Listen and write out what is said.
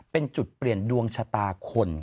เป็นจุดเปลี่ยนดวงชะตาคน